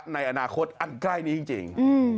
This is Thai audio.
ในอนาคตอันใกล้นี้จริง